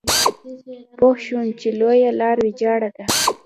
پوه شوم چې لویه لار ويجاړه ده.